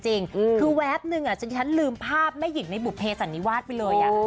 จริงคือแวบนึงอ่ะที่ฉันลืมภาพแม่หญิงในบุเภสอันนี้วาดไปเลยอ่ะ